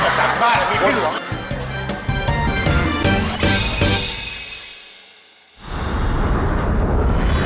สาหร่ายมีผิดหรอ